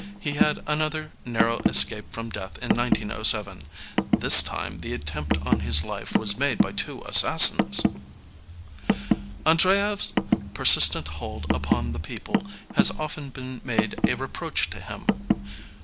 He had another narrow escape from death in 1907. This time the attempt on his life was made by two assassinSn^T" Andreyev's persistent hold upon the^>eople has often been made a reproach to him.